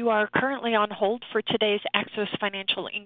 Good day, ladies and gentlemen,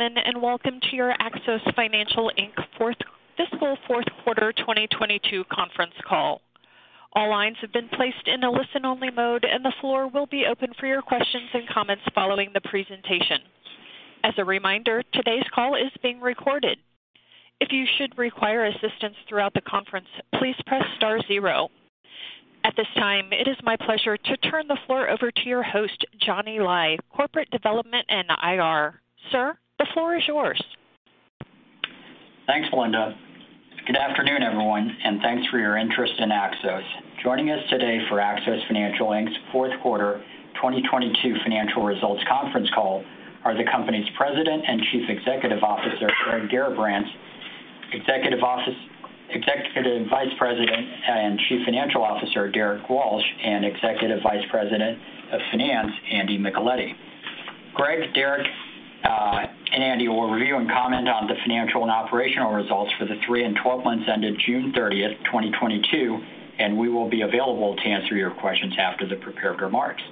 and welcome to your Axos Financial, Inc Fiscal Fourth Quarter 2022 Conference Call. All lines have been placed in a listen-only mode, and the floor will be open for your questions and comments following the presentation. As a reminder, today's call is being recorded. If you should require assistance throughout the conference, please press star zero. At this time, it is my pleasure to turn the floor over to your host, Johnny Lai, Corporate Development and IR. Sir, the floor is yours. Thanks, Melinda. Good afternoon, everyone, and thanks for your interest in Axos. Joining us today for Axos Financial, Inc's Fourth Quarter 2022 Financial Results Conference Call are the company's President and Chief Executive Officer, Greg Garrabrants, Executive Vice President and Chief Financial Officer, Derrick Walsh, and Executive Vice President of Finance, Andy Micheletti. Greg, Derek, and Andy will review and comment on the financial and operational results for the three and 12 months ended June 30, 2022, and we will be available to answer your questions after the prepared remarks.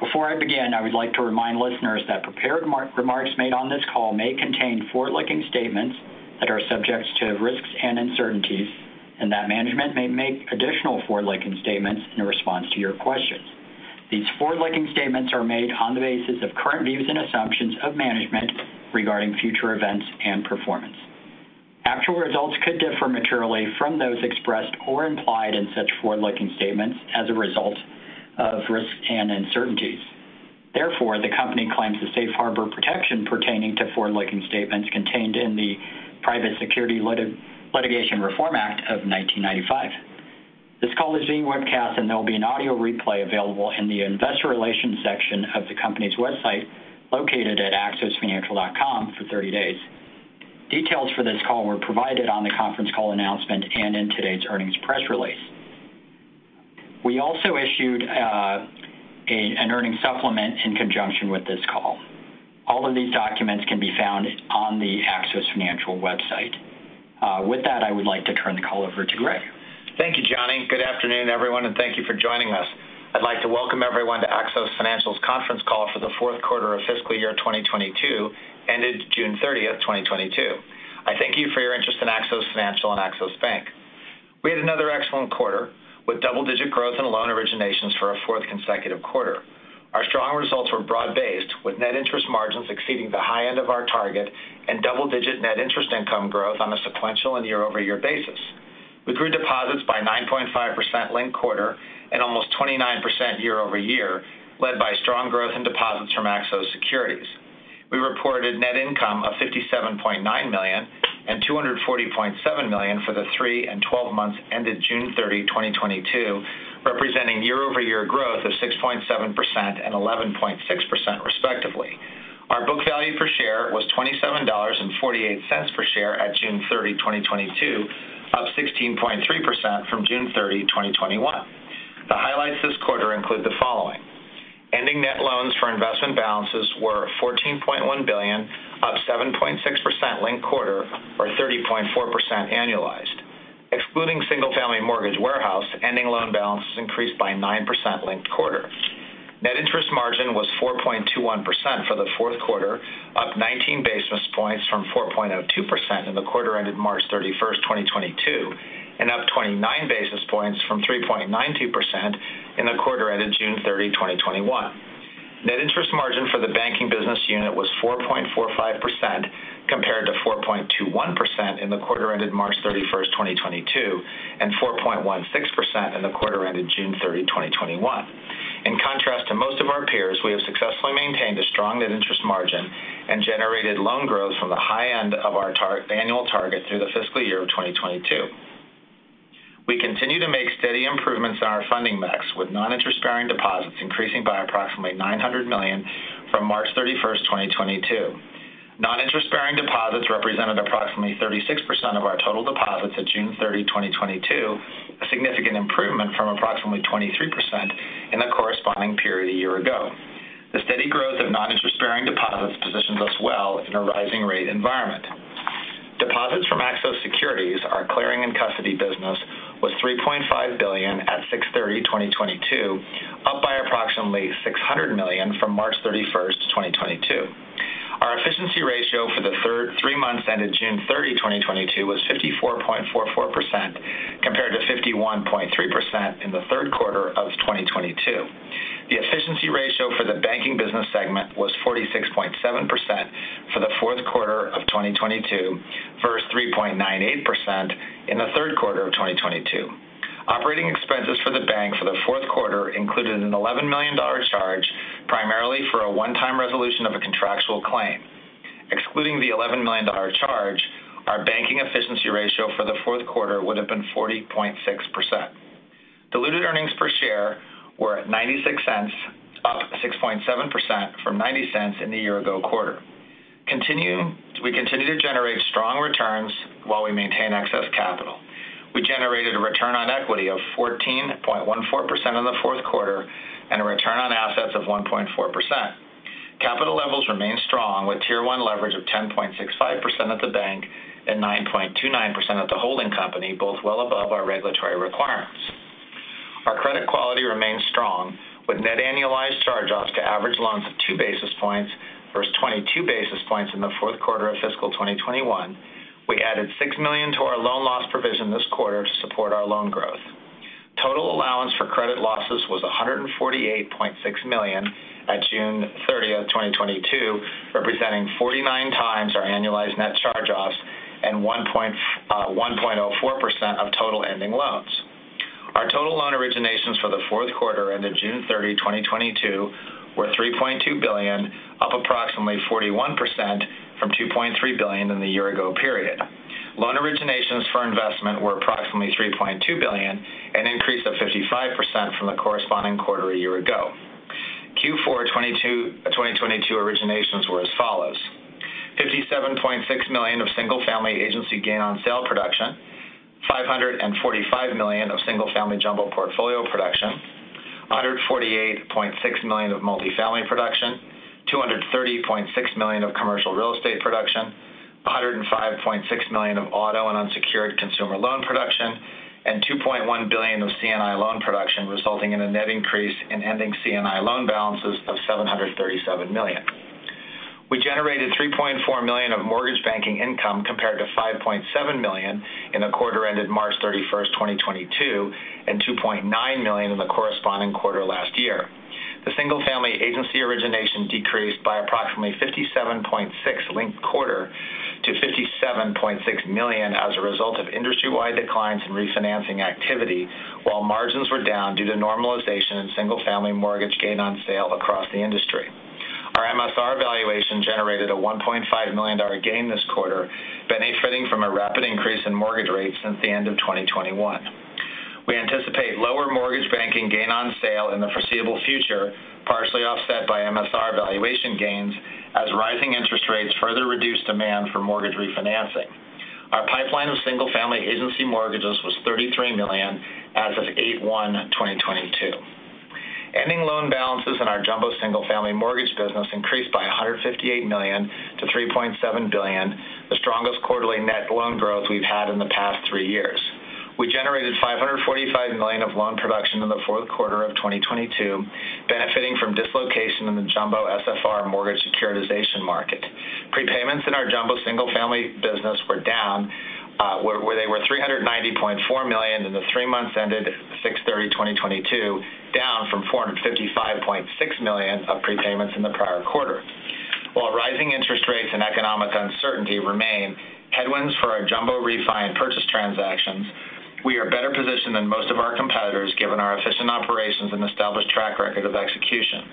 Before I begin, I would like to remind listeners that prepared remarks made on this call may contain forward-looking statements that are subject to risks and uncertainties, and that management may make additional forward-looking statements in response to your questions. These forward-looking statements are made on the basis of current views and assumptions of management regarding future events and performance. Actual results could differ materially from those expressed or implied in such forward-looking statements as a result of risks and uncertainties. Therefore, the company claims the safe harbor protection pertaining to forward-looking statements contained in the Private Securities Litigation Reform Act of 1995. This call is being webcast, and there will be an audio replay available in the investor relations section of the company's website, located at axosfinancial.com for 30 days. Details for this call were provided on the conference call announcement and in today's earnings press release. We also issued an earnings supplement in conjunction with this call. All of these documents can be found on the Axos Financial website. With that, I would like to turn the call over to Greg. Thank you, Johnny. Good afternoon, everyone, and thank you for joining us. I'd like to welcome everyone to Axos Financial's Conference Call for the fourth quarter of fiscal year 2022 ended June 30, 2022. I thank you for your interest in Axos Financial and Axos Bank. We had another excellent quarter with double-digit growth in loan originations for a fourth consecutive quarter. Our strong results were broad-based, with net interest margins exceeding the high end of our target and double-digit net interest income growth on a sequential and year-over-year basis. We grew deposits by 9.5% linked quarter and almost 29% year-over-year, led by strong growth in deposits from Axos Securities. We reported net income of $57.9 million and $240.7 million for the three and 12 months ended June 30, 2022, representing year-over-year growth of 6.7% and 11.6%, respectively. Our book value per share was $27.48 per share at June 30, 2022, up 16.3% from June 30, 2021. The highlights this quarter include the following. Ending net loans for investment balances were $14.1 billion, up 7.6% linked-quarter or 30.4% annualized. Excluding single-family mortgage warehouse, ending loan balances increased by 9% linked-quarter. Net interest margin was 4.21% for the fourth quarter, up 19 basis points from 4.2% in the quarter ended March 31, 2022, and up 29 basis points from 3.92% in the quarter ended June 30, 2021. Net interest margin for the banking business unit was 4.45% compared to 4.21% in the quarter ended March 31, 2022, and 4.16% in the quarter ended June 30, 2021. In contrast to most of our peers, we have successfully maintained a strong net interest margin and generated loan growth from the high end of our annual target through the fiscal year of 2022. We continue to make steady improvements in our funding mix, with non-interest-bearing deposits increasing by approximately $900 million from March 31, 2022. Non-interest-bearing deposits represented approximately 36% of our total deposits at June 30, 2022, a significant improvement from approximately 23% in the corresponding period a year ago. The steady growth of non-interest-bearing deposits positions us well in a rising rate environment. Deposits from Axos Securities, our clearing and custody business, was $3.5 billion at June 30, 2022, up by approximately $600 million from March 31, 2022. Our efficiency ratio for the three months ended June 30, 2022 was 54.44% compared to 51.3% in the third quarter of 2022. The efficiency ratio for the banking business segment was 46.7% for the fourth quarter of 2022 versus 3.98% in the third quarter of 2022. Operating expenses for the bank for the fourth quarter included a $11 million charge, primarily for a one-time resolution of a contractual claim. Excluding the $11 million charge, our banking efficiency ratio for the fourth quarter would have been 40.6%. Diluted earnings per share were at $0.96, up 6.7% from $0.90 in the year-ago quarter. We continue to generate strong returns while we maintain excess capital. We generated a return on equity of 14.14% in the fourth quarter and a return on assets of 1.4%. Capital levels remain strong with Tier 1 leverage of 10.65% at the bank and 9.29% at the holding company, both well above our regulatory requirements. Our credit quality remains strong with net annualized charge-offs to average loans of 2 basis points versus 22 basis points in the fourth quarter of fiscal 2021. We added $6 million to our loan loss provision this quarter to support our loan growth. Total allowance for credit losses was $148.6 million at June 30, 2022, representing 49x our annualized net charge-offs and 1.04% of total ending loans. Our total loan originations for the fourth quarter ended June 30, 2022 were $3.2 billion, up approximately 41% from $2.3 billion in the year ago period. Loan originations for investment were approximately $3.2 billion, an increase of 55% from the corresponding quarter a year ago. Q4 2022 originations were as follows: $57.6 million of single family agency gain on sale production, $545 million of single family jumbo portfolio production, $48.6 million of multifamily production, $230.6 million of commercial real estate production, $105.6 million of auto and unsecured consumer loan production, and $2.1 billion of C&I loan production, resulting in a net increase in ending C&I loan balances of $737 million. We generated $3.4 million of mortgage banking income compared to $5.7 million in the quarter ended March 31, 2022, and $2.9 million in the corresponding quarter last year. The single-family agency origination decreased by approximately 57.6% linked-quarter to $57.6 million as a result of industry-wide declines in refinancing activity, while margins were down due to normalization in single-family mortgage gain on sale across the industry. Our MSR valuation generated a $1.5 million gain this quarter, benefiting from a rapid increase in mortgage rates since the end of 2021. We anticipate lower mortgage banking gain on sale in the foreseeable future, partially offset by MSR valuation gains as rising interest rates further reduce demand for mortgage refinancing. Our pipeline of single-family agency mortgages was $33 million as of 8/1/2022. Ending loan balances in our jumbo single-family mortgage business increased by $158 million to $3.7 billion, the strongest quarterly net loan growth we've had in the past three years. We generated $545 million of loan production in the fourth quarter of 2022, benefiting from dislocation in the jumbo SFR mortgage securitization market. Prepayments in our jumbo single family business were down, where they were $390.4 million in the three months ended 6/30/2022, down from $455.6 million of prepayments in the prior quarter. While rising interest rates and economic uncertainty remain headwinds for our jumbo refi and purchase transactions, we are better positioned than most of our competitors, given our efficient operations and established track record of execution.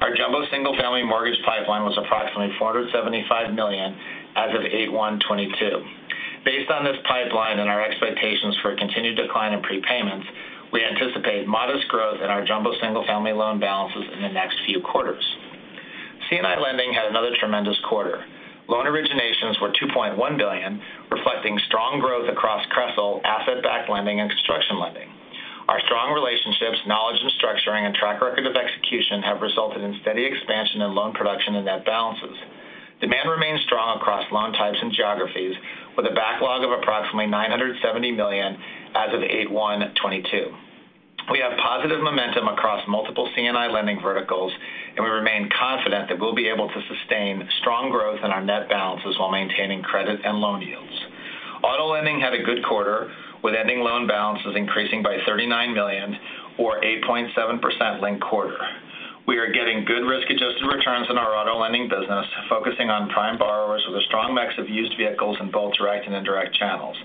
Our jumbo single-family mortgage pipeline was approximately $475 million as of 8/1/2022. Based on this pipeline and our expectations for a continued decline in prepayments, we anticipate modest growth in our jumbo single-family loan balances in the next few quarters. C&I Lending had another tremendous quarter. Loan originations were $2.1 billion, reflecting strong growth across CRE asset-backed lending and construction lending. Our strong relationships, knowledge and structuring, and track record of execution have resulted in steady expansion in loan production and net balances. Demand remains strong across loan types and geographies, with a backlog of approximately $970 million as of 8/1/2022. We have positive momentum across multiple C&I Lending verticals, and we remain confident that we'll be able to sustain strong growth in our net balances while maintaining credit and loan yields. Auto lending had a good quarter, with ending loan balances increasing by $39 million or 8.7% linked quarter. We are getting good risk-adjusted returns in our auto lending business, focusing on prime borrowers with a strong mix of used vehicles in both direct and indirect channels.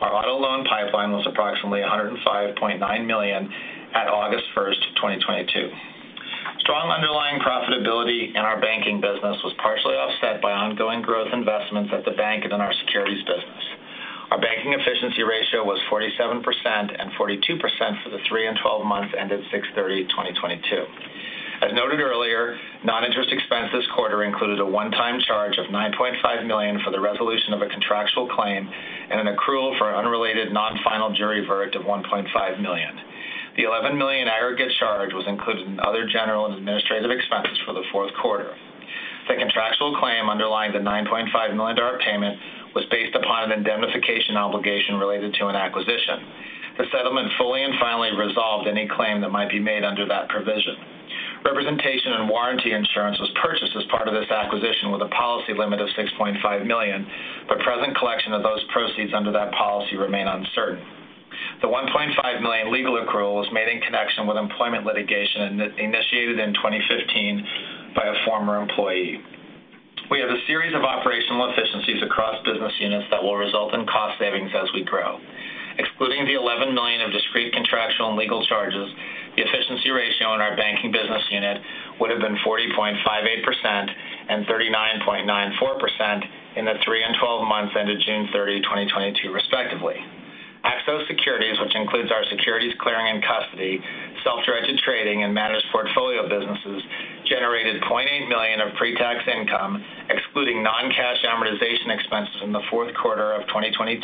Our auto loan pipeline was approximately $105.9 million at August 1, 2022. Strong underlying profitability in our banking business was partially offset by ongoing growth investments at the bank and in our securities business. Our banking efficiency ratio was 47% and 42% for the three and 12 months ended June 30, 2022. As noted earlier, non-interest expense this quarter included a one-time charge of $9.5 million for the resolution of a contractual claim and an accrual for unrelated non-final jury verdict of $1.5 million. The $11 million aggregate charge was included in other general and administrative expenses for the fourth quarter. The contractual claim underlying the $9.5 million payment was based upon an indemnification obligation related to an acquisition. The settlement fully and finally resolved any claim that might be made under that provision. Representation and warranty insurance was purchased as part of this acquisition with a policy limit of $6.5 million, but present collection of those proceeds under that policy remain uncertain. The $1.5 million legal accrual was made in connection with employment litigation initiated in 2015 by a former employee. We have a series of operational efficiencies across business units that will result in cost savings as we grow. Excluding the $11 million of discrete contractual and legal charges, the efficiency ratio in our banking business unit would have been 40.58% and 39.94% in the three and 12 months ended June 30, 2022, respectively. Axos Securities, which includes our securities clearing and custody, self-directed trading, and managed portfolio businesses, generated $0.8 million of pre-tax income, excluding non-cash amortization expenses in the fourth quarter of 2022,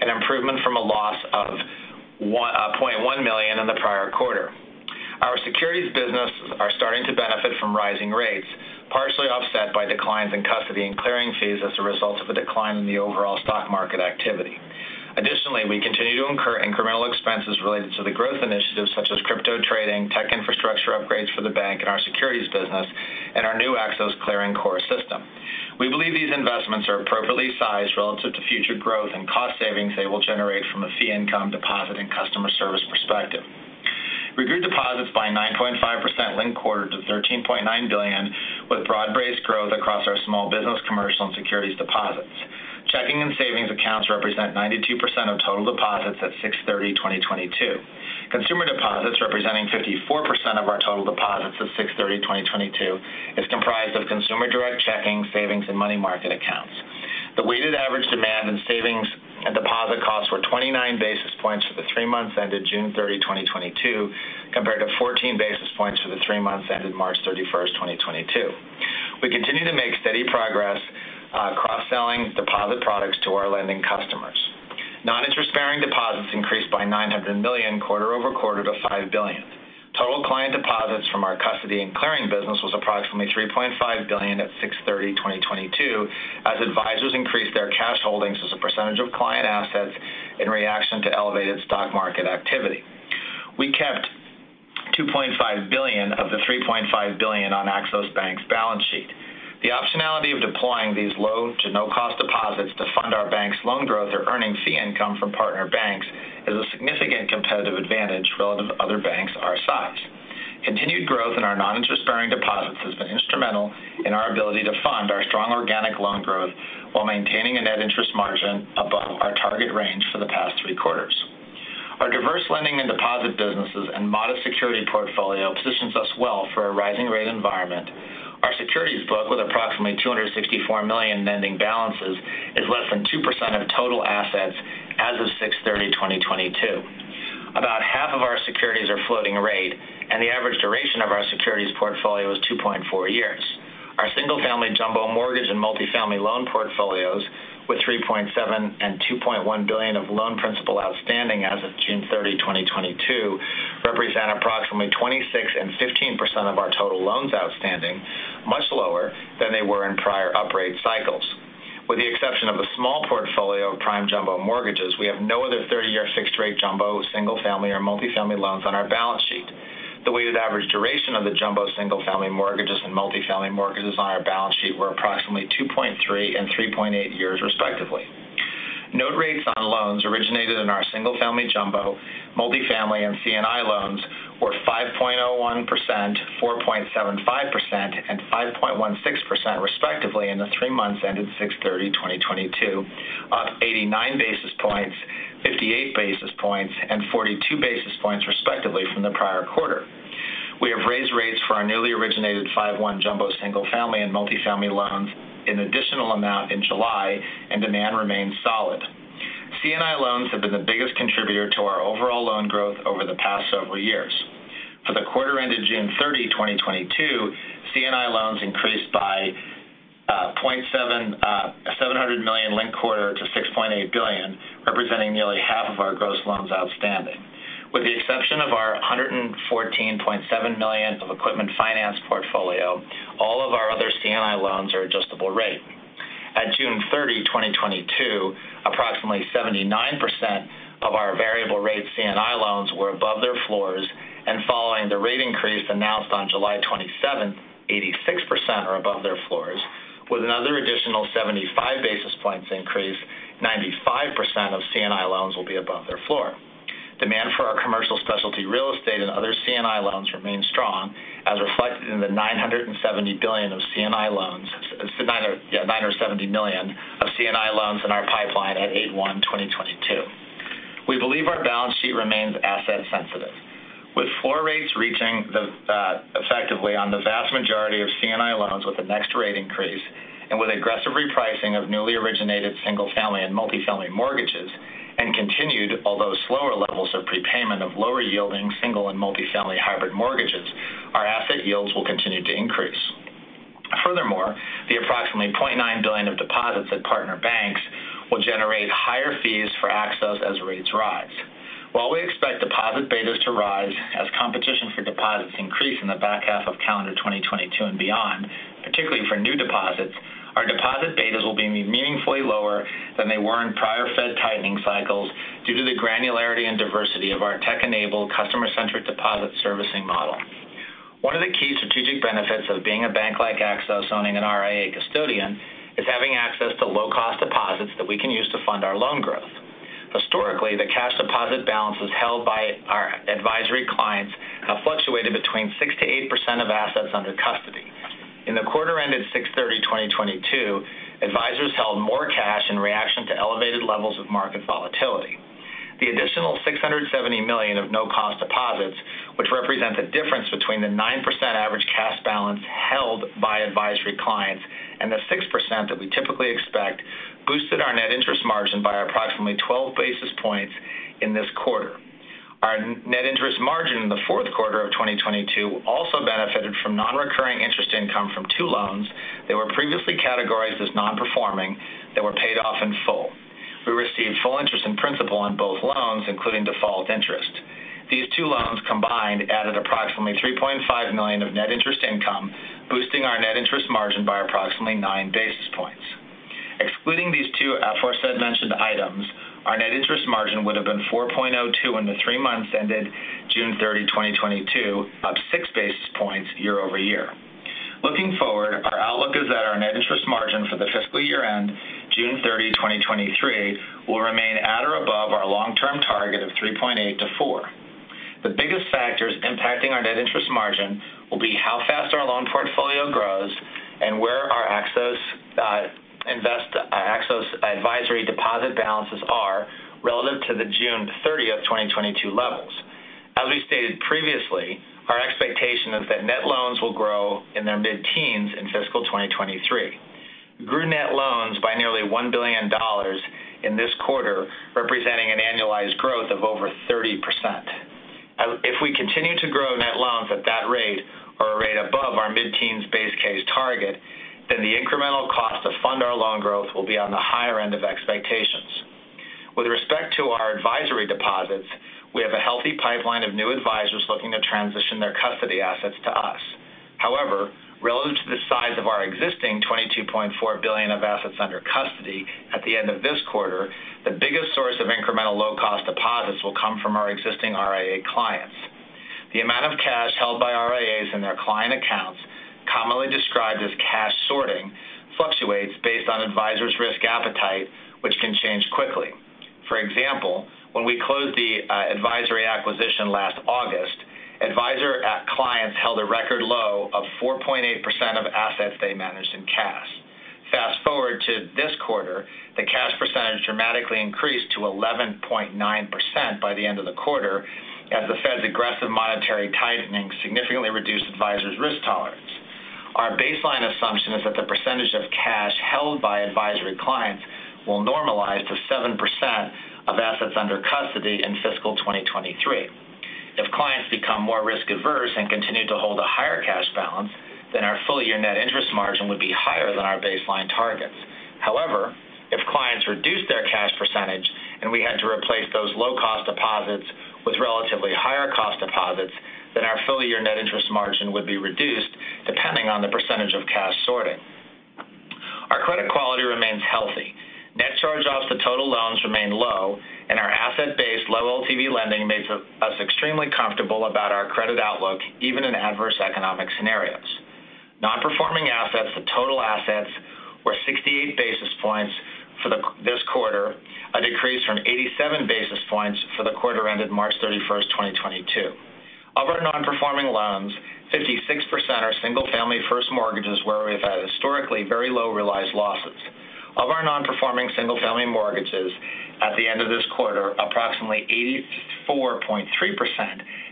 an improvement from a loss of $0.1 million in the prior quarter. Our securities businesses are starting to benefit from rising rates, partially offset by declines in custody and clearing fees as a result of a decline in the overall stock market activity. Additionally, we continue to incur incremental expenses related to the growth initiatives such as crypto trading, tech infrastructure upgrades for the bank and our securities business, and our new Axos Clearing core system. We believe these investments are appropriately sized relative to future growth and cost savings they will generate from a fee income deposit and customer service perspective. We grew deposits by 9.5% linked quarter to $13.9 billion, with broad-based growth across our small business, commercial, and securities deposits. Checking and savings accounts represent 92% of total deposits at June 30, 2022. Consumer deposits, representing 54% of our total deposits at June 30, 2022, is comprised of consumer direct checking, savings, and money market accounts. The weighted average demand in savings and deposit costs were 29 basis points for the three months ended June 30, 2022, compared to 14 basis points for the three months ended March 31, 2022. We continue to make steady progress cross-selling deposit products to our lending customers. Non-interest-bearing deposits increased by $900 million quarter over quarter to $5 billion. Total client deposits from our custody and clearing business was approximately $3.5 billion at June 30, 2022 as advisors increased their cash holdings as a percentage of client assets in reaction to elevated stock market activity. We kept $2.5 billion of the $3.5 billion on Axos Bank's balance sheet. The optionality of deploying these low to no-cost deposits to fund our bank's loan growth or earning fee income from partner banks is a significant competitive advantage relative to other banks our size. Continued growth in our non-interest-bearing deposits has been instrumental in our ability to fund our strong organic loan growth while maintaining a net interest margin above our target range for the past three quarters. Our diverse lending and deposit businesses and modest security portfolio positions us well for a rising rate environment. Our securities book, with approximately $264 million ending balances, is less than 2% of total assets as of 6/30/2022. About half of our securities are floating rate, and the average duration of our securities portfolio is 2.4 years. Our single-family jumbo mortgage and multifamily loan portfolios with $3.7 billion and $2.1 billion of loan principal outstanding as of June 30, 2022 represent approximately 26% and 15% of our total loans outstanding, much lower than they were in prior upgrade cycles. With the exception of a small portfolio of prime jumbo mortgages, we have no other 30-year fixed-rate jumbo, single-family or multifamily loans on our balance sheet. The weighted average duration of the jumbo single-family mortgages and multifamily mortgages on our balance sheet were approximately 2.3 and 3.8 years, respectively. Note rates on loans originated in our single-family jumbo, multifamily and C&I loans were 5.01%, 4.75%, and 5.16% respectively in the three months ended June 30, 2022, up 89 basis points, 58 basis points and 42 basis points respectively from the prior quarter. We have raised rates for our newly originated 5/1 jumbo single-family and multifamily loans an additional amount in July, and demand remains solid. C&I loans have been the biggest contributor to our overall loan growth over the past several years. For the quarter ended June 30, 2022, C&I loans increased by $700 million linked quarter to $6.8 billion, representing nearly half of our gross loans outstanding. With the exception of our $114.7 million of equipment finance portfolio, all of our other C&I loans are adjustable rate. At June 30, 2022, approximately 79% of our variable rate C&I loans were above their floors, and following the rate increase announced on July 27, 86% are above their floors. With another additional 75 basis points increase, 95% of C&I loans will be above their floor. Demand for our commercial specialty real estate and other C&I loans remain strong, as reflected in the $970 million of C&I loans in our pipeline at August 1, 2022. We believe our balance sheet remains asset sensitive. With floor rates reaching the effectively on the vast majority of C&I loans with the next rate increase and with aggressive repricing of newly originated single-family and multifamily mortgages and continued, although slower levels of prepayment of lower yielding single and multi-family hybrid mortgages, our asset yields will continue to increase. Furthermore, the approximately $0.9 billion of deposits at partner banks will generate higher fees for Axos as rates rise. While we expect deposit betas to rise as competition for deposits increase in the back half of calendar 2022 and beyond, particularly for new deposits, our deposit betas will be meaningfully lower than they were in prior Fed tightening cycles due to the granularity and diversity of our tech-enabled, customer-centric deposit servicing model. One of the key strategic benefits of being a bank like Axos owning an RIA custodian is having access to low-cost deposits that we can use to fund our loan growth. Historically, the cash deposit balances held by our advisory clients have fluctuated between 6%-8% of assets under custody. In the quarter ended 6/30/2022, advisors held more cash in reaction to elevated levels of market volatility. The additional $670 million of no-cost deposits, which represent the difference between the 9% average cash balance held by advisory clients and the 6% that we typically expect, boosted our net interest margin by approximately 12 basis points in this quarter. Our net interest margin in the fourth quarter of 2022 also benefited from non-recurring interest income from two loans that were previously categorized as non-performing that were paid off in full. We received full interest and principal on both loans, including default interest. These two loans combined added approximately $3.5 million of net interest income, boosting our net interest margin by approximately 9 basis points. Excluding these two aforementioned items, our net interest margin would have been 4.02% in the three months ended June 30, 2022, up 6 basis points year-over-year. Looking forward, our outlook is that our net interest margin for the fiscal year-end June 30, 2023 will remain at or above our long-term target of 3.8%-4%. The biggest factors impacting our net interest margin will be how fast our loan portfolio grows and where our Axos Advisor deposit balances are relative to the June 30, 2022 levels. As we stated previously, our expectation is that net loans will grow in their mid-teens in fiscal 2023. Grew net loans by nearly $1 billion in this quarter, representing an annualized growth of over 30%. If we continue to grow net loans, then the incremental cost to fund our loan growth will be on the higher end of expectations. With respect to our advisory deposits, we have a healthy pipeline of new advisors looking to transition their custody assets to us. However, relative to the size of our existing $22.4 billion of assets under custody at the end of this quarter, the biggest source of incremental low-cost deposits will come from our existing RIA clients. The amount of cash held by RIAs in their client accounts, commonly described as cash sorting, fluctuates based on advisors' risk appetite, which can change quickly. For example, when we closed the advisory acquisition last August, advisor clients held a record low of 4.8% of assets they managed in cash. Fast-forward to this quarter, the cash percentage dramatically increased to 11.9% by the end of the quarter as the Fed's aggressive monetary tightening significantly reduced advisors' risk tolerance. Our baseline assumption is that the percentage of cash held by advisory clients will normalize to 7% of assets under custody in fiscal 2023. If clients become more risk-averse and continue to hold a higher cash balance, then our full-year net interest margin would be higher than our baseline targets. However, if clients reduce their cash percentage and we had to replace those low-cost deposits with relatively higher cost deposits, then our full-year net interest margin would be reduced depending on the percentage of cash sorting. Our credit quality remains healthy. Net charge-offs to total loans remain low, and our asset-based low LTV lending makes us extremely comfortable about our credit outlook even in adverse economic scenarios. Non-performing assets to total assets were 68 basis points for this quarter, a decrease from 87 basis points for the quarter ended March 31, 2022. Of our non-performing loans, 56% are single-family first mortgages where we've had historically very low realized losses. Of our non-performing single-family mortgages at the end of this quarter, approximately 84.3%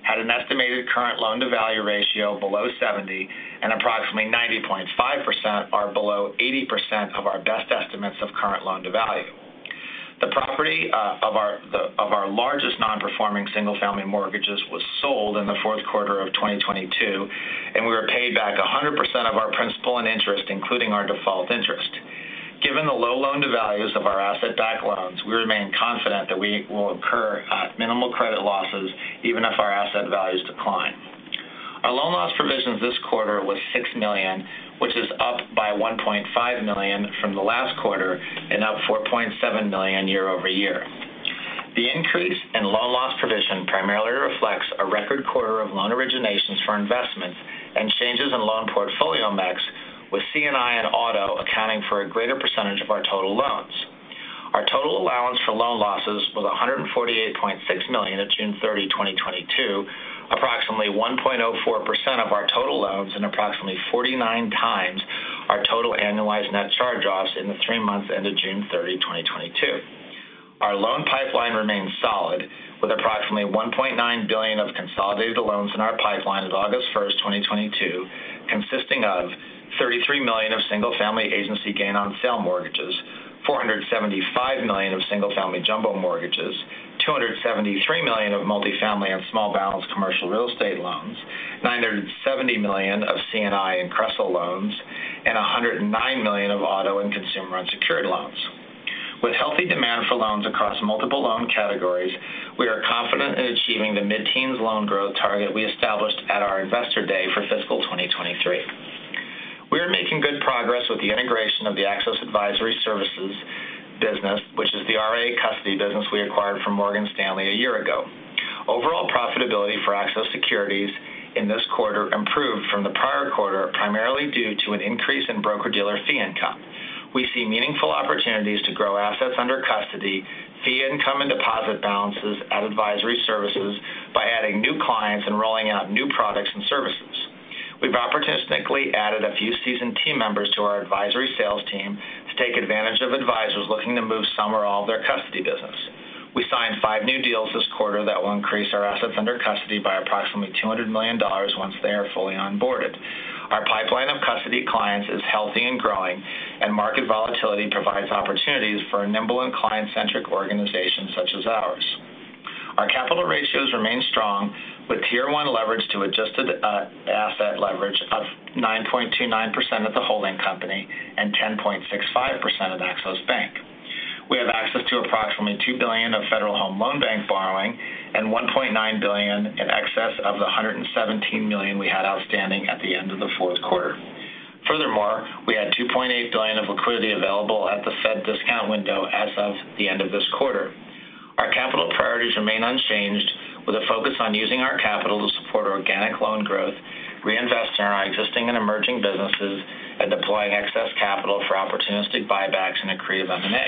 had an estimated current loan-to-value ratio below 70, and approximately 90.5% are below 80% of our best estimates of current loan-to-value. The property of our largest non-performing single-family mortgages was sold in the fourth quarter of 2022, and we were paid back 100% of our principal and interest, including our default interest. Given the low loan-to-values of our asset-backed loans, we remain confident that we will incur minimal credit losses even if our asset values decline. Our loan loss provisions this quarter was $6 million, which is up by $1.5 million from the last quarter and up $4.7 million year-over-year. The increase in loan loss provision primarily reflects a record quarter of loan originations for investments and changes in loan portfolio mix, with C&I and auto accounting for a greater percentage of our total loans. Our total allowance for loan losses was $148.6 million at June 30, 2022, approximately 1.04% of our total loans and approximately 49x our total annualized net charge-offs in the three months ended June 30, 2022. Our loan pipeline remains solid, with approximately $1.9 billion of consolidated loans in our pipeline as of August 1, 2022, consisting of $33 million of single-family agency gain on sale mortgages, $475 million of single-family jumbo mortgages, $273 million of multifamily and small balance commercial real estate loans, $970 million of C&I and CRE/FL loans, and $109 million of auto and consumer unsecured loans. With healthy demand for loans across multiple loan categories, we are confident in achieving the mid-teens loan growth target we established at our Investor Day for fiscal 2023. We are making good progress with the integration of the Axos Advisor Services business, which is the RIA custody business we acquired from Morgan Stanley a year ago. Overall profitability for Axos Securities in this quarter improved from the prior quarter, primarily due to an increase in broker-dealer fee income. We see meaningful opportunities to grow assets under custody, fee income and deposit balances at Advisor Services by adding new clients and rolling out new products and services. We've opportunistically added a few seasoned team members to our advisory sales team to take advantage of advisors looking to move some or all of their custody business. We signed 5 new deals this quarter that will increase our assets under custody by approximately $200 million once they are fully onboarded. Our pipeline of custody clients is healthy and growing, and market volatility provides opportunities for a nimble and client-centric organization such as ours. Our capital ratios remain strong with Tier 1 leverage to adjusted asset leverage of 9.29% at the holding company and 10.65% at Axos Bank. We have access to approximately $2 billion of Federal Home Loan Bank borrowing and $1.9 billion in excess of the $117 million we had outstanding at the end of the fourth quarter. Furthermore, we had $2.8 billion of liquidity available at the Fed discount window as of the end of this quarter. Our capital priorities remain unchanged, with a focus on using our capital to support organic loan growth, reinvesting in our existing and emerging businesses, and deploying excess capital for opportunistic buybacks and accretive M&A.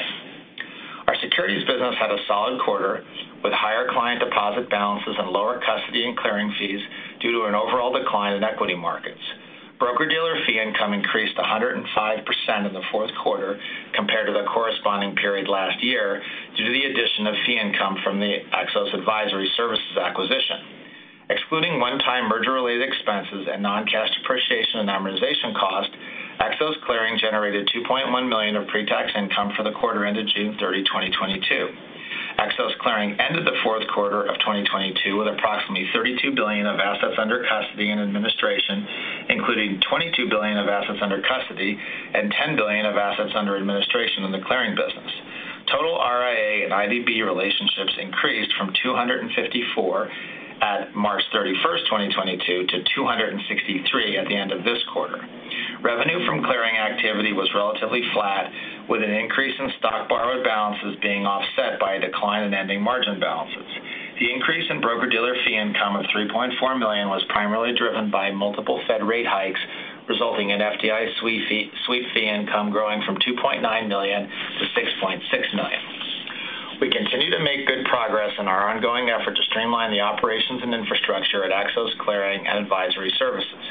Our securities business had a solid quarter, with higher client deposit balances and lower custody and clearing fees due to an overall decline in equity markets. Broker-dealer fee income increased 105% in the fourth quarter compared to the corresponding period last year due to the addition of fee income from the Axos Advisor Services acquisition. Excluding one-time merger-related expenses and non-cash depreciation and amortization costs, Axos Clearing generated $2.1 million of pretax income for the quarter ended June 30, 2022. Axos Clearing ended the fourth quarter of 2022 with approximately $32 billion of assets under custody and administration, including $22 billion of assets under custody and $10 billion of assets under administration in the clearing business. Total RIA and IDB relationships increased from 254 at March 31, 2022 to 263 at the end of this quarter. Revenue from clearing activity was relatively flat, with an increase in stock borrowed balances being offset by a decline in ending margin balances. The increase in broker-dealer fee income of $3.4 million was primarily driven by multiple Fed rate hikes, resulting in FDIC sweep fee, sweep fee income growing from $2.9 million to $6.6 million. We continue to make good progress in our ongoing effort to streamline the operations and infrastructure at Axos Clearing and Advisor Services.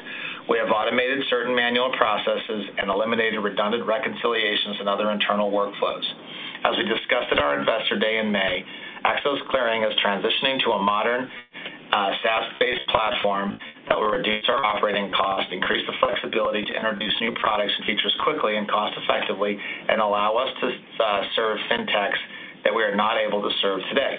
We have automated certain manual processes and eliminated redundant reconciliations and other internal workflows. As we discussed at our Investor Day in May, Axos Clearing is transitioning to a modern, SaaS-based platform that will reduce our operating costs, increase the flexibility to introduce new products and features quickly and cost effectively, and allow us to serve fintechs that we are not able to serve today.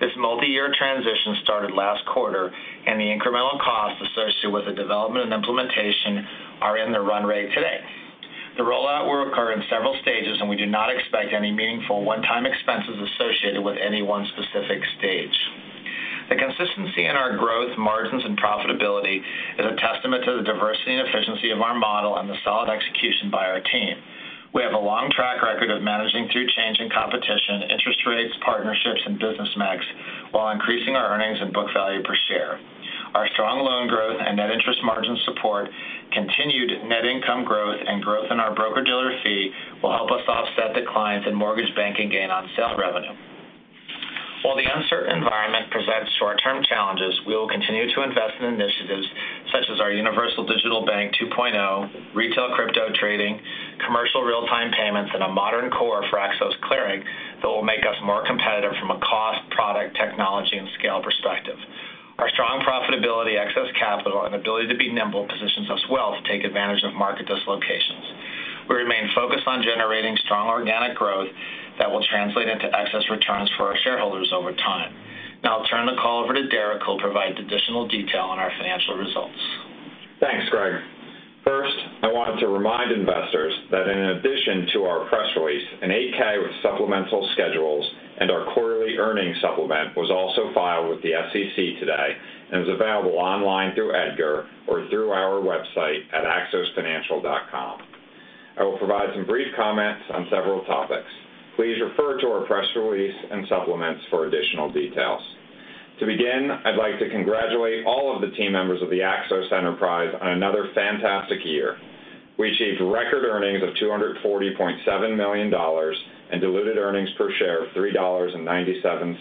This multiyear transition started last quarter, and the incremental costs associated with the development and implementation are in the run rate today. The rollout will occur in several stages, and we do not expect any meaningful one-time expenses associated with any one specific stage. The consistency in our growth, margins, and profitability is a testament to the diversity and efficiency of our model and the solid execution by our team. We have a long track record of managing through change in competition, interest rates, partnerships, and business mix while increasing our earnings and book value per share. Our strong loan growth and net interest margin support, continued net income growth, and growth in our broker-dealer fee will help us offset the declines in mortgage banking gain on sale revenue. While the uncertain environment presents short-term challenges, we will continue to invest in initiatives such as our Universal Digital Bank 2.0, retail crypto trading, commercial real-time payments, and a modern core for Axos Clearing that will make us more competitive from a cost, product, technology, and scale perspective. Our strong profitability, excess capital, and ability to be nimble positions us well to take advantage of market dislocations. We remain focused on generating strong organic growth that will translate into excess returns for our shareholders over time. Now I'll turn the call over to Derek, who'll provide additional detail on our financial results. Thanks, Greg. First, I wanted to remind investors that in addition to our press release, an 8-K with supplemental schedules and our quarterly earnings supplement was also filed with the SEC today and is available online through EDGAR or through our website at axosfinancial.com. I will provide some brief comments on several topics. Please refer to our press release and supplements for additional details. To begin, I'd like to congratulate all of the team members of the Axos enterprise on another fantastic year. We achieved record earnings of $240.7 million and diluted earnings per share of $3.97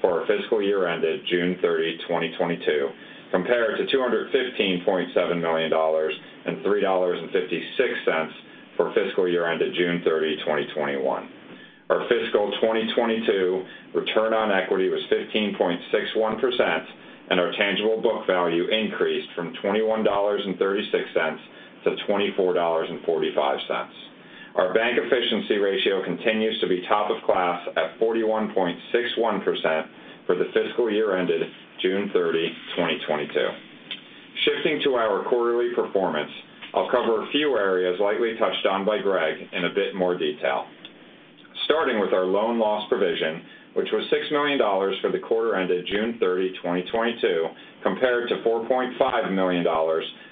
for our fiscal year ended June 30, 2022, compared to $215.7 million and $3.56 for fiscal year ended June 30, 2021. Our fiscal 2022 return on equity was 15.61%, and our tangible book value increased from $21.36 to $24.45. Our bank efficiency ratio continues to be top of class at 41.61% for the fiscal year ended June 30, 2022. Shifting to our quarterly performance, I'll cover a few areas lightly touched on by Greg in a bit more detail. Starting with our loan loss provision, which was $6 million for the quarter ended June 30, 2022, compared to $4.5 million for the quarter ended March 31, 2022, and $1.25 million for the quarter ended June 30,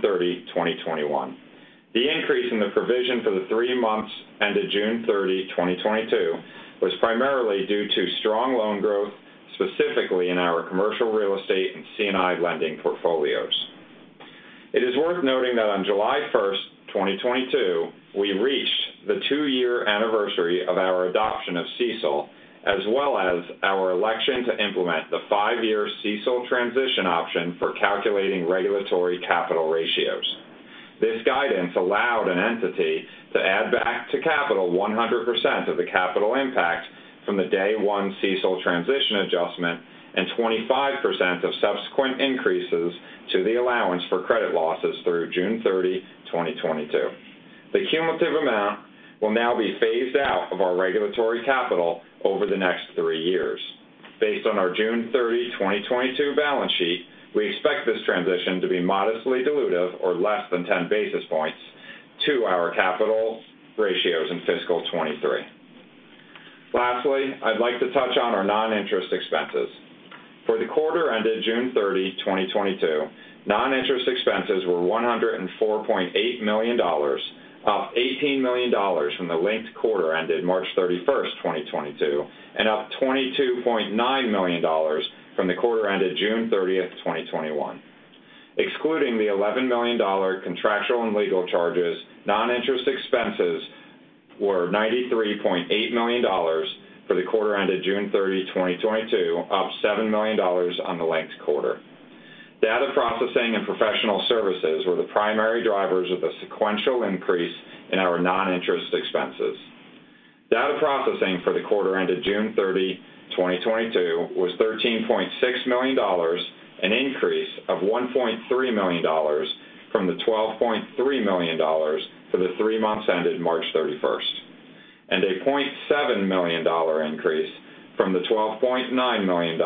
2021. The increase in the provision for the three months ended June 30, 2022 was primarily due to strong loan growth, specifically in our commercial real estate and C&I lending portfolios. It is worth noting that on July first, 2022, we reached the 2-year anniversary of our adoption of CECL, as well as our election to implement the 5-year CECL transition option for calculating regulatory capital ratios. This guidance allowed an entity to add back to capital 100% of the capital impact from the day one CECL transition adjustment and 25% of subsequent increases to the allowance for credit losses through June 30, 2022. The cumulative amount will now be phased out of our regulatory capital over the next 3 years. Based on our June 30, 2022 balance sheet, we expect this transition to be modestly dilutive or less than 10 basis points to our capital ratios in fiscal 2023. Lastly, I'd like to touch on our non-interest expenses. For the quarter ended June 30, 2022, non-interest expenses were $104.8 million, up $18 million from the linked quarter ended March 31, 2022, and up $22.9 million from the quarter ended June 30, 2021. Excluding the $11 million contractual and legal charges, non-interest expenses were $93.8 million for the quarter ended June 30, 2022, up $7 million on the linked quarter. Data processing and professional services were the primary drivers of the sequential increase in our non-interest expenses. Data processing for the quarter ended June 30, 2022 was $13.6 million, an increase of $1.3 million from the $12.3 million for the three months ended March 31, and a $0.7 million increase from the $12.9 million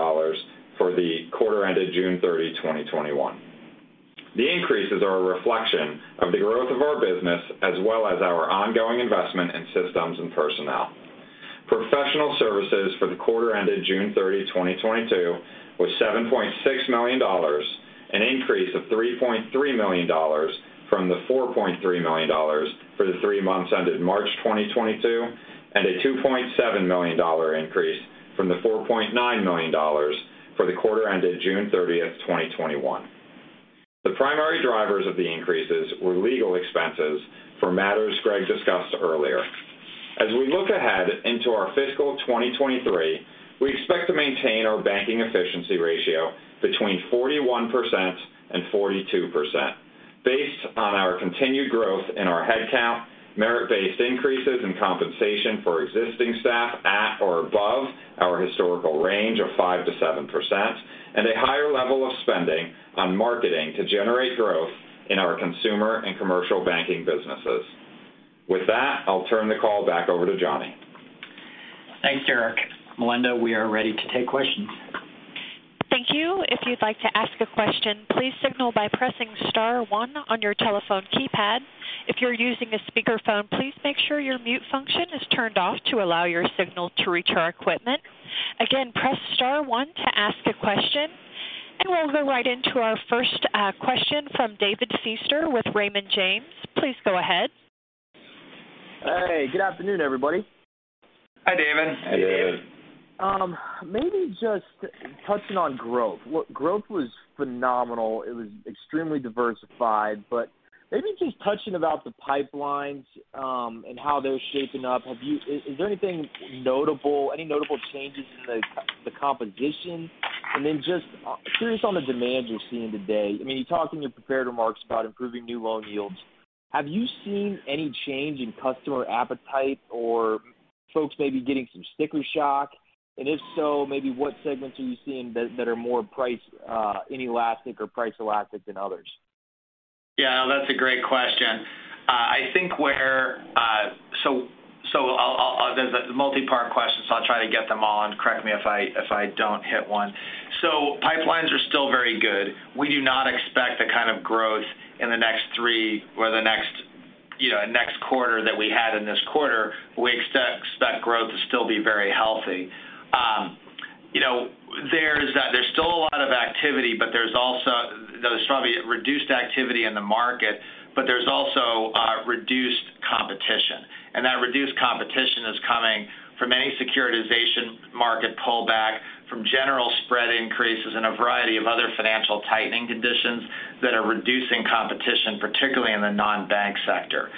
for the quarter ended June 30, 2021. The increases are a reflection of the growth of our business as well as our ongoing investment in systems and personnel. Professional services for the quarter ended June 30, 2022 was $7.6 million, an increase of $3.3 million from the $4.3 million for the three months ended March 2022, and a $2.7 million increase from the $4.9 million for the quarter ended June 30, 2021. The primary drivers of the increases were legal expenses for matters Greg discussed earlier. As we look ahead into our fiscal 2023, we expect to maintain our banking efficiency ratio between 41% and 42% based on our continued growth in our head count, merit-based increases in compensation for existing staff at or above our historical range of 5% to 7%, and a higher level of spending on marketing to generate growth in our consumer and commercial banking businesses. With that, I'll turn the call back over to Johnny. Thanks, Derrick. Melinda, we are ready to take questions. Thank you. If you'd like to ask a question, please signal by pressing star one on your telephone keypad. If you're using a speakerphone, please make sure your mute function is turned off to allow your signal to reach our equipment. Again, press star one to ask a question. We'll go right into our first question from David Feaster with Raymond James. Please go ahead. Hey, good afternoon, everybody. Hi, David. Hey, David. Maybe just touching on growth. Growth was phenomenal. It was extremely diversified. Maybe just touching about the pipelines and how they're shaping up. Is there anything notable, any notable changes in the competition? Then just curious on the demand you're seeing today. I mean, you talked in your prepared remarks about improving new loan yields. Have you seen any change in customer appetite or folks maybe getting some sticker shock? If so, maybe what segments are you seeing that are more price inelastic or price elastic than others? That's a great question. I think where. I'll try to get them all, and correct me if I don't hit one. There's a multipart question. Pipelines are still very good. We do not expect the kind of growth in the next three or the next, next quarter that we had in this quarter. We expect growth to still be very healthy. There's still a lot of activity, but there's also reduced activity in the market, but there's also reduced competition. And that reduced competition is coming from any securitization market pullback, from general spread increases and a variety of other financial tightening conditions that are reducing competition, particularly in the non-bank sector.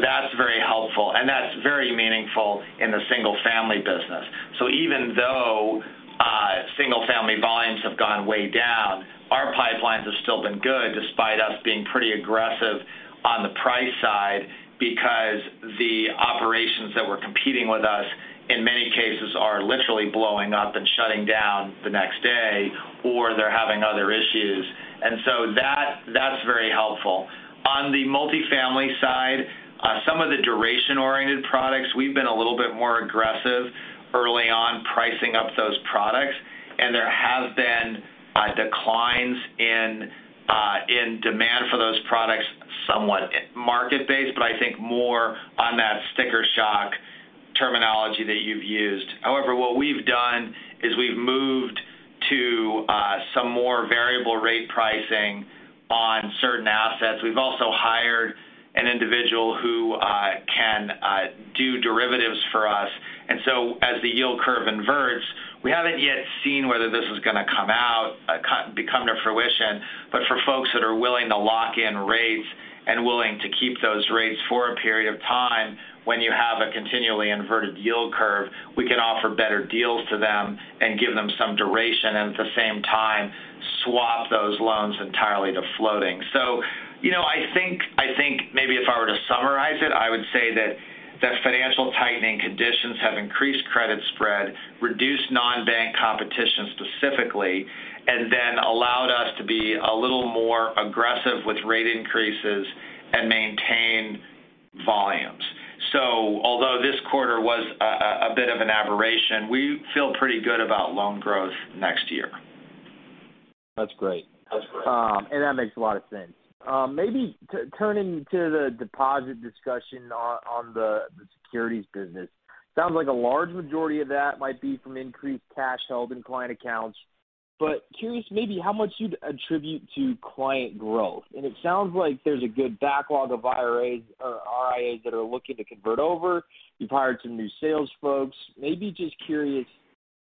That's very helpful, and that's very meaningful in the single-family business. Even though single-family volumes have gone way down, our pipelines have still been good despite us being pretty aggressive on the price side because the operations that were competing with us, in many cases, are literally blowing up and shutting down the next day, or they're having other issues. That’s very helpful. On the multifamily side, some of the duration-oriented products, we've been a little bit more aggressive early on pricing up those products. There have been declines in demand for those products, somewhat market-based, but I think more on that sticker shock terminology that you've used. However, what we've done is we've moved to some more variable rate pricing on certain assets. We've also hired an individual who can do derivatives for us. As the yield curve inverts, we haven't yet seen whether this is gonna come to fruition. For folks that are willing to lock in rates and willing to keep those rates for a period of time, when you have a continually inverted yield curve, we can offer better deals to them and give them some duration and at the same time swap those loans entirely to floating. I think maybe if I were to summarize it, I would say that financial tightening conditions have increased credit spread, reduced non-bank competition specifically, and then allowed us to be a little more aggressive with rate increases and maintain volumes. Although this quarter was a bit of an aberration, we feel pretty good about loan growth next year. That's great. That's great. That makes a lot of sense. Maybe turning to the deposit discussion on the securities business. Sounds like a large majority of that might be from increased cash held in client accounts. Curious maybe how much you'd attribute to client growth. It sounds like there's a good backlog of IRAs or RIAs that are looking to convert over. You've hired some new sales folks. Maybe just curious,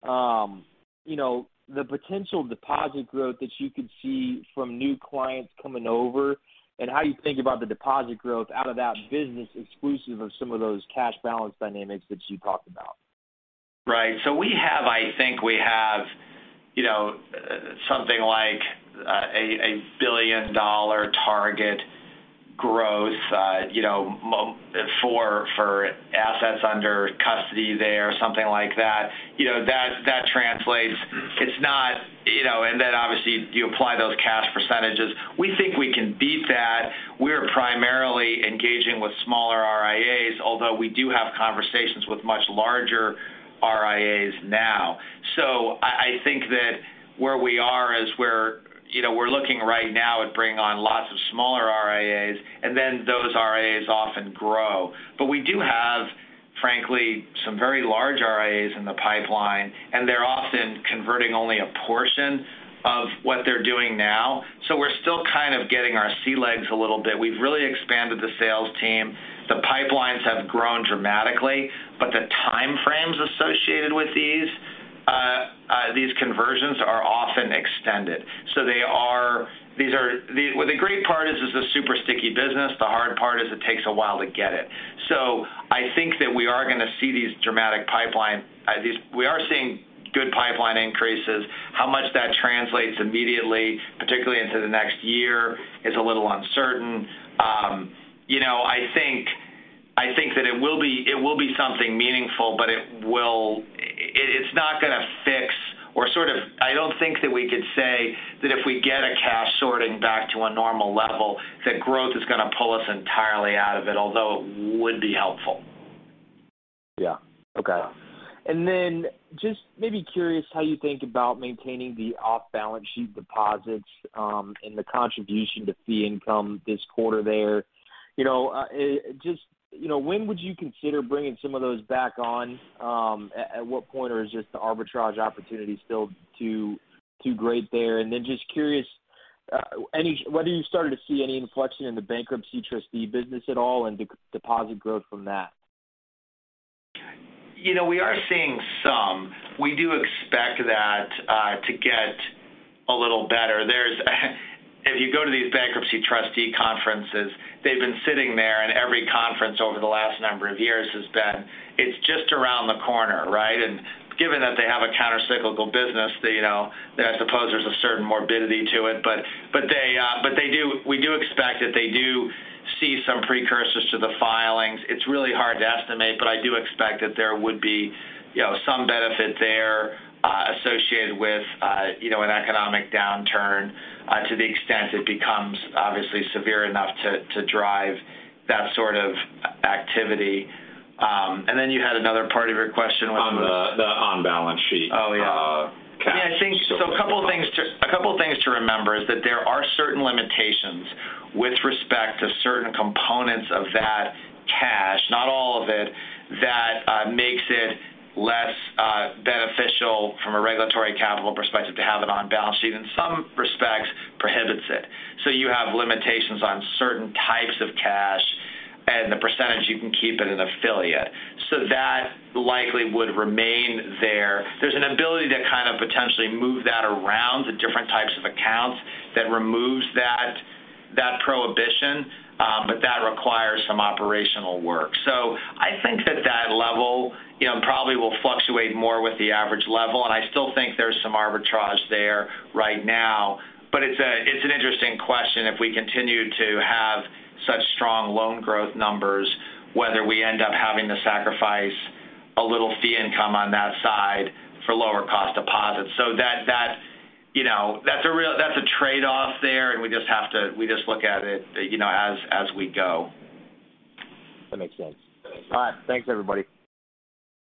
you know, the potential deposit growth that you could see from new clients coming over and how you think about the deposit growth out of that business exclusive of some of those cash balance dynamics that you talked about. Right. I think we have, you know, something like a $1 billion target growth, you know, for assets under custody there, something like that. That translates. It's not, you know, and then obviously you apply those cash percentages. We think we can beat that. We're primarily engaging with smaller RIAs, although we do have conversations with much larger RIAs now. I think that where we are is we're, you know, we're looking right now at bringing on lots of smaller RIAs, and then those RIAs often grow. We do have, frankly, some very large RIAs in the pipeline, and they're often converting only a portion of what they're doing now. We're still kind of getting our sea legs a little bit. We've really expanded the sales team. The pipelines have grown dramatically, but the time frames associated with these conversions are often extended. They are the great part is it's a super sticky business. The hard part is it takes a while to get it. I think that we are gonna see these dramatic pipeline. We are seeing good pipeline increases. How much that translates immediately, particularly into the next year, is a little uncertain. You know, I think that it will be something meaningful, but it's not gonna fix or sort of. I don't think that we could say that if we get a cash sorting back to a normal level, that growth is gonna pull us entirely out of it, although it would be helpful. Just maybe curious how you think about maintaining the off-balance sheet deposits and the contribution to fee income this quarter there. You know, just, you know, when would you consider bringing some of those back on? At what point, or is just the arbitrage opportunity still too great there? Just curious whether you started to see any inflection in the bankruptcy trustee business at all and deposit growth from that. We are seeing some. We do expect that to get a little better. There's if you go to these bankruptcy trustee conferences, they've been sitting there, and every conference over the last number of years has been, it's just around the corner, right? Given that they have a countercyclical business then I suppose there's a certain morbidity to it. We do expect that they do see some precursors to the filings. It's really hard to estimate, but I do expect that there would be, you know, some benefit there associated with, you know, an economic downturn to the extent it becomes obviously severe enough to drive that sort of activity. You had another part of your question which was? On the on-balance sheet cash. I think so. A couple things to remember is that there are certain limitations with respect to certain components of that cash, not all of it, that makes it less beneficial from a regulatory capital perspective to have it on balance sheet, in some respects prohibits it. So you have limitations on certain types of cash and the percentage you can keep in an affiliate. So that likely would remain there. There's an ability to kind of potentially move that around the different types of accounts that removes that prohibition, but that requires some operational work. So I think that level probably will fluctuate more with the average level, and I still think there's some arbitrage there right now. It's an interesting question if we continue to have such strong loan growth numbers whether we end up having to sacrifice a little fee income on that side for lower cost deposits. That, you know, that's a real trade-off there, and we just have to look at it as we go. That makes sense. All right. Thanks, everybody.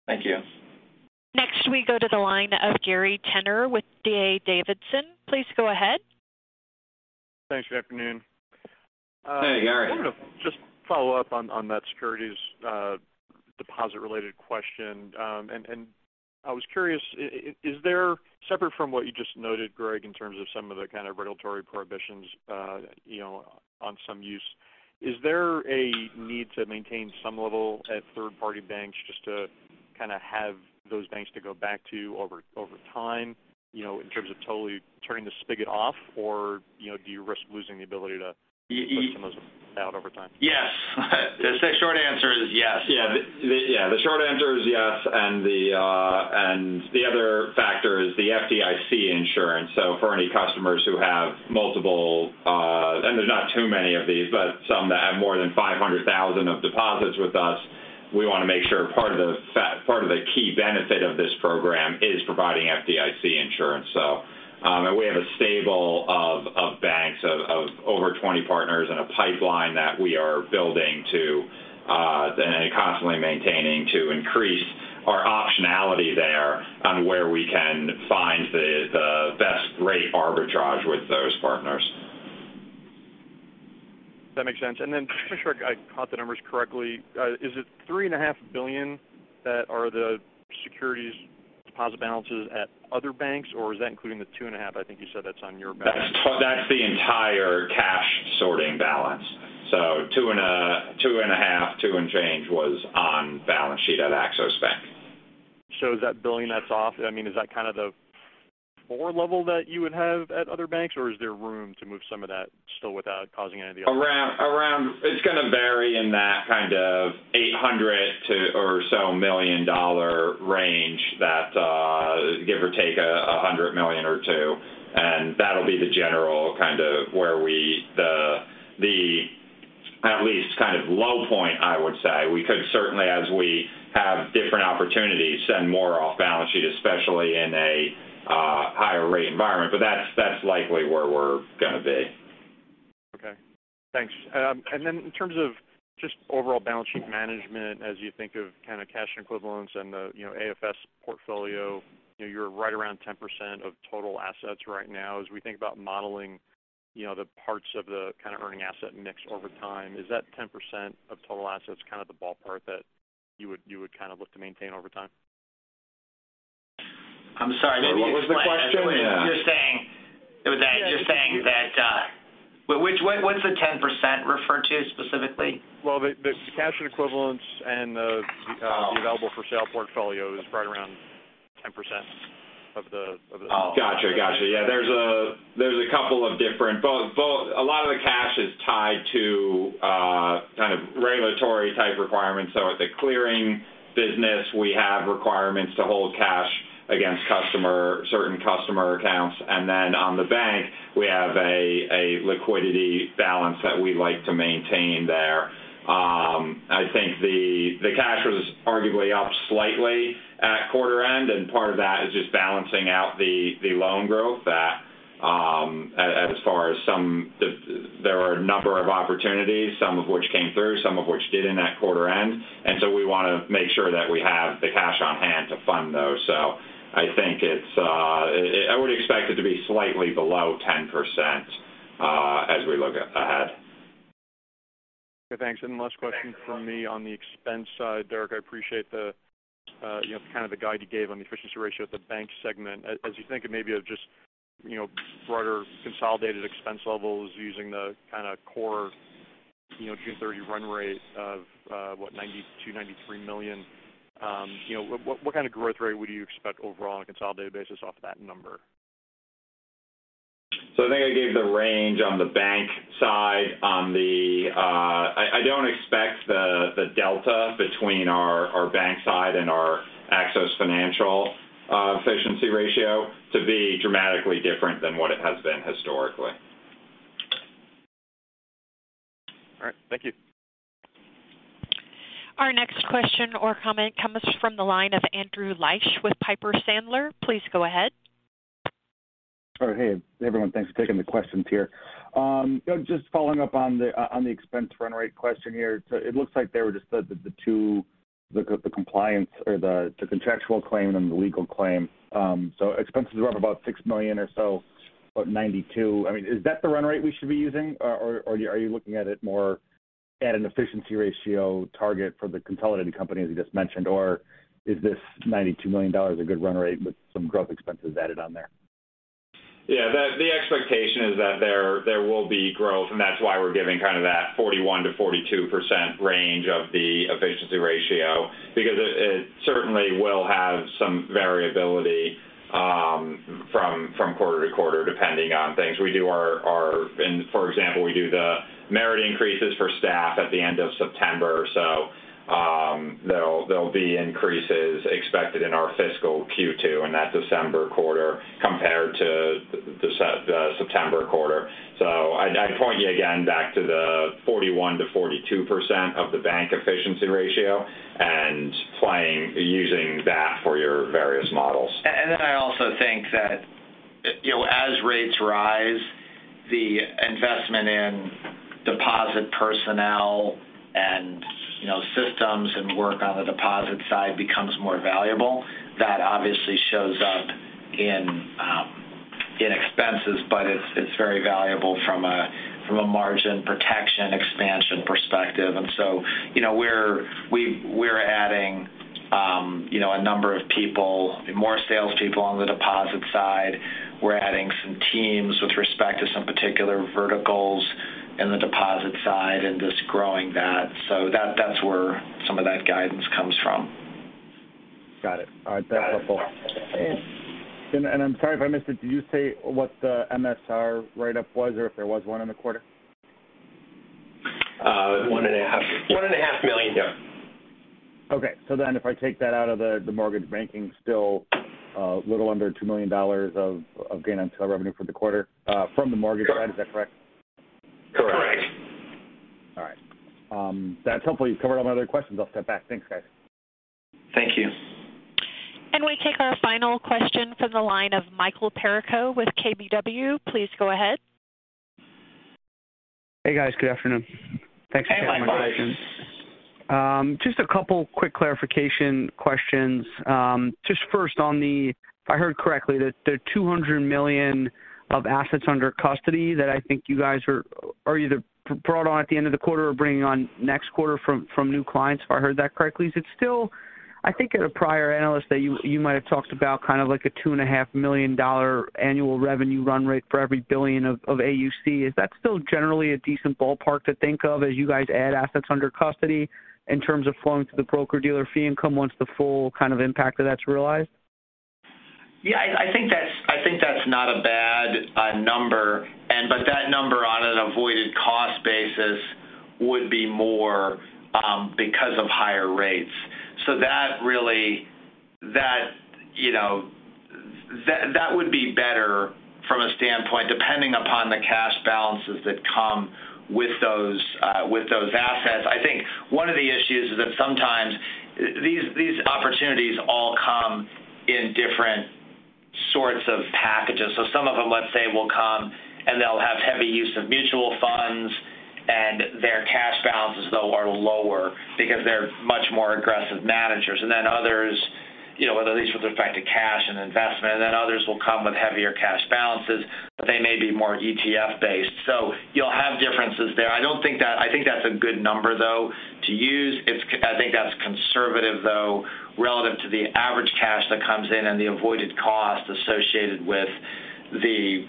Thank you. Next, we go to the line of Gary Tenner with D.A. Davidson. Please go ahead. Thanks. Good afternoon. Hey, Gary. I wanted to just follow up on that securities deposit-related question. I was curious, is there separate from what you just noted, Greg, in terms of some of the kind of regulatory prohibitions on some use, is there a need to maintain some level at third-party banks just to have those banks to go back to over time in terms of totally turning the spigot off? Do you risk losing the ability to push some of those out over time? Yes. The short answer is yes. The short answer is yes. The other factor is the FDIC insurance. For any customers who have multiple, and there's not too many of these, but some that have more than $500,000 of deposits with us, we wanna make sure part of the key benefit of this program is providing FDIC insurance. We have a stable of banks, over 20 partners and a pipeline that we are building to and constantly maintaining to increase our optionality there on where we can find the best rate arbitrage with those partners. That makes sense. Just to make sure I caught the numbers correctly, is it $3.5 billion that are the securities deposit balances at other banks, or is that including the $2.5 billion, I think you said, that's on your bank? That's the entire cash sorting balance. $2.5, $2 and change was on balance sheet at Axos Bank. Is that $1 billion that's off is that the core level that you would have at other banks or is there room to move some of that still without causing any of the? It's gonna vary in that $800 or so million range, give or take $100 million or $200 million. That'll be the general at least low point I would say. We could certainly as we have different opportunities send more off-balance-sheet, especially in a higher rate environment. That's likely where we're gonna be. Okay. Thanks. In terms of just overall balance sheet management as you think of kind of cash equivalents and the AFS portfolio you're right around 10% of total assets right now. As we think about modeling the parts of the earning asset mix over time, is that 10% of total assets kind of the ballpark that you would look to maintain over time? I'm sorry. What was the question? Which one, what's the 10% refer to specifically? Well, the cash and equivalents and the available for sale portfolio is right around 10% of the total assets. A lot of the cash is tied to regulatory type requirements. At the clearing business we have requirements to hold cash against certain customer accounts. On the bank, we have a liquidity balance that we like to maintain there. I think the cash was arguably up slightly at quarter end, and part of that is just balancing out the loan growth. There are a number of opportunities, some of which came through, some of which didn't at quarter end. We want to make sure that we have the cash on hand to fund those. I think I would expect it to be slightly below 10%, as we look ahead. Okay, thanks. Then last question from me on the expense side. Derek, I appreciate the kind of guide you gave on the efficiency ratio at the bank segment. As you think it may be of just broader consolidated expense levels using the kind of core June 30 run rate of what? $92 million to $93 million. What kind of growth rate would you expect overall on a consolidated basis off that number? I think I gave the range on the bank side. I don't expect the delta between our bank side and our Axos Financial efficiency ratio to be dramatically different than what it has been historically. All right. Thank you. Our next question or comment comes from the line of Andrew Liesch with Piper Sandler. Please go ahead. Oh, hey everyone. Thanks for taking the questions here. Just following up on the expense run rate question here. It looks like they were just the two, the compliance or the contractual claim and the legal claim. Expenses were up about $6 million or so, about $92. Is that the run rate we should be using or are you looking at it more at an efficiency ratio target for the consolidated company as you just mentioned? Or is this $92 million a good run rate with some growth expenses added on there? The expectation is that there will be growth, and that's why we're giving kind of that 41%-42% range of the efficiency ratio because it certainly will have some variability from quarter to quarter, depending on things. We do our and for example, we do the merit increases for staff at the end of September. So there'll be increases expected in our fiscal Q2 in that December quarter compared to the September quarter. So I'd point you again back to the 41%-42% of the bank efficiency ratio and applying, using that for your various models. I also think that, you know, as rates rise, the investment in deposit personnel and, you know, systems and work on the deposit side becomes more valuable. That obviously shows up in expenses, but it's very valuable from a margin protection expansion perspective. You know, we're adding you know, a number of people, more sales people on the deposit side. We're adding some teams with respect to some particular verticals in the deposit side and just growing that. That's where some of that guidance comes from. Got it. All right. That's helpful. I'm sorry if I missed it. Did you say what the MSR write-up was or if there was one in the quarter? $1.5 million. $1.5 million. If I take that out of the mortgage banking, still a little under $2 million of gain on sale revenue for the quarter from the mortgage side. Is that correct? Correct. Correct. All right. That's helpful. You've covered all my other questions. I'll step back. Thanks, guys. Thank you. We take our final question from the line of Michael Perito with KBW. Please go ahead. Hey, guys. Good afternoon. Hey, Michael. Thanks for taking my question. Just a couple quick clarification questions. Just first, if I heard correctly that the $200 million of assets under custody that I think you guys are either brought on at the end of the quarter or bringing on next quarter from new clients, if I heard that correctly. Is it still, I think at a prior Analyst Day you might have talked about kind of like a $2.5 million annual revenue run rate for every $1 billion of AUC. Is that still generally a decent ballpark to think of as you guys add assets under custody in terms of flowing through the broker-dealer fee income once the full impact of that's realized? I think that's not a bad number. But that number on basis would be more because of higher rates. That would be better from a standpoint, depending upon the cash balances that come with those assets. I think one of the issues is that sometimes these opportunities all come in different sorts of packages. Some of them, let's say, will come, and they'll have heavy use of mutual funds, and their cash balances, though, are lower because they're much more aggressive managers. Then others at least with respect to cash and investment. Others will come with heavier cash balances, but they may be more ETF-based. You'll have differences there. I don't think that. I think that's a good number, though, to use. I think that's conservative, though, relative to the average cash that comes in and the avoided cost associated with the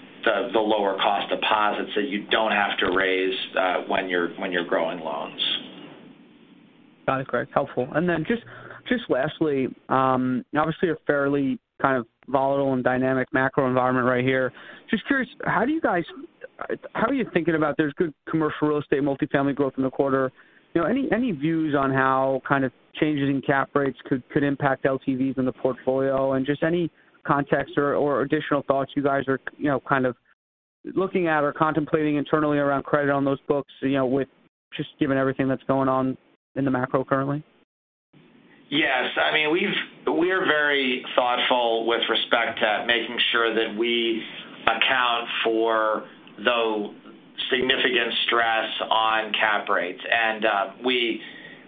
lower cost deposits that you don't have to raise when you're growing loans. Got it, Greg. Helpful. Just lastly, obviously a fairly kind of volatile and dynamic macro environment right here. Just curious, how are you thinking about there's good commercial real estate multifamily growth in the quarter? Any views on how changes in cap rates could impact LTVs in the portfolio and just any context or additional thoughts you guys are, you know, kind of looking at or contemplating internally around credit on those books with just given everything that's going on in the macro currently? Yes. We're very thoughtful with respect to making sure that we account for the significant stress on cap rates.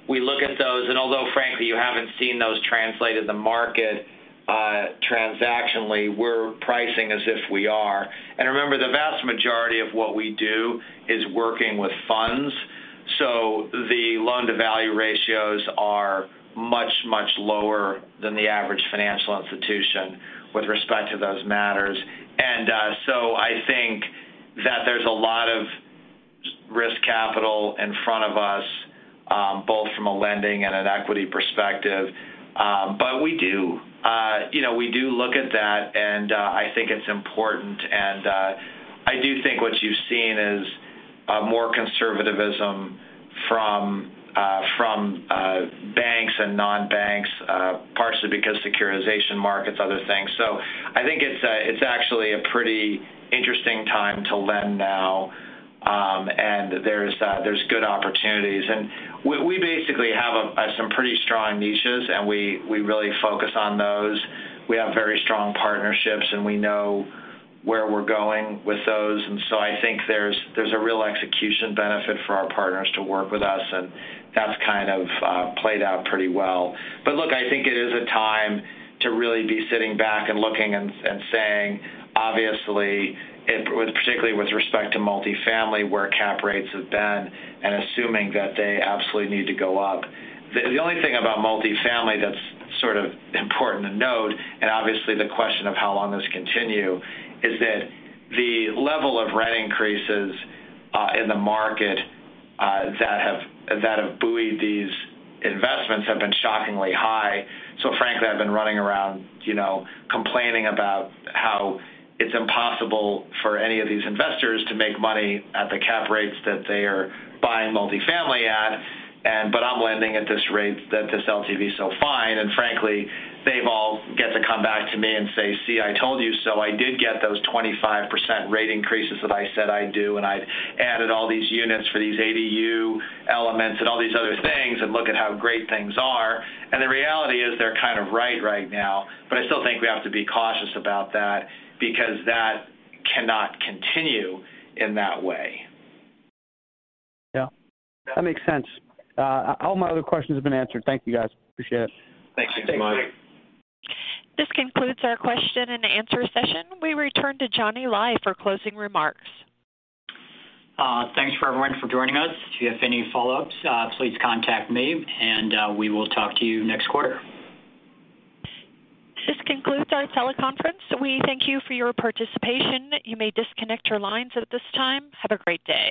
We look at those, and although frankly, you haven't seen those translate in the market transactionally, we're pricing as if we are. Remember, the vast majority of what we do is working with funds. The loan-to-value ratios are much, much lower than the average financial institution with respect to those matters. I think that there's a lot of risk capital in front of us both from a lending and an equity perspective. We do look at that, and I think it's important. I do think what you've seen is more conservatism from banks and non-banks partially because securitization markets, other things. I think it's actually a pretty interesting time to lend now. There's good opportunities. We basically have some pretty strong niches, and we really focus on those. We have very strong partnerships, and we know where we're going with those. I think there's a real execution benefit for our partners to work with us, and that's kind of played out pretty well. Look, I think it is a time to really be sitting back and looking and saying, obviously, it was particularly with respect to multifamily, where cap rates have been, and assuming that they absolutely need to go up. The only thing about multifamily that's sort of important to note, and obviously the question of how long this continue, is that the level of rent increases in the market that have buoyed these investments have been shockingly high. Frankly, I've been running around, you know, complaining about how it's impossible for any of these investors to make money at the cap rates that they are buying multifamily at. But I'm lending at this rate that this LTV is so fine. Frankly, they've all get to come back to me and say, "See, I told you so". I did get those 25% rate increases that I said I'd do, and I added all these units for these ADU elements and all these other things, and look at how great things are. The reality is they're kind of right right now, but I still think we have to be cautious about that because that cannot continue in that way. That makes sense. All my other questions have been answered. Thank you, guys. Appreciate it. Thanks. Thanks. Thanks. This concludes our question-and-answer session. We return to Johnny Lai for closing remarks. Thanks for everyone for joining us. If you have any follow-ups, please contact me, and we will talk to you next quarter. This concludes our teleconference. We thank you for your participation. You may disconnect your lines at this time. Have a great day.